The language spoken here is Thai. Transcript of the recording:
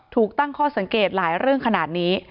ถูกตั้งข้อสังเกตหลายเรื่องขนาดนี้